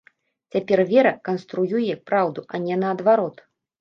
Цяпер вера канструюе праўду, а не наадварот.